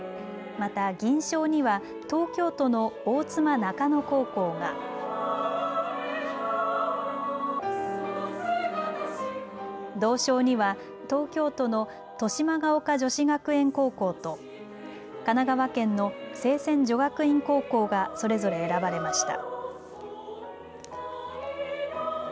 また、銀賞には東京都の大妻中野高校が。銅賞には東京都の豊島岡女子学園高校と神奈川県の清泉女学院高校がそれぞれ選ばれました。